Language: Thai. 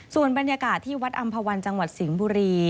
ส่วนบรรยากาศที่วัดอำภาวันจังหวัดสิงห์บุรี